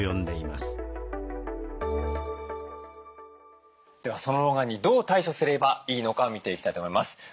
ではその老眼にどう対処すればいいのか見ていきたいと思います。